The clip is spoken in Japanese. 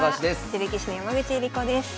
女流棋士の山口恵梨子です。